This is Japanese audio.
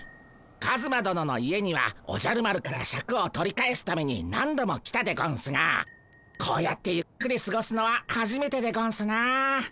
カズマどのの家にはおじゃる丸からシャクを取り返すために何度も来たでゴンスがこうやってゆっくりすごすのははじめてでゴンスな。